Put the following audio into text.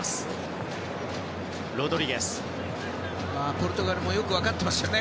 ポルトガルもよく分かってますよね。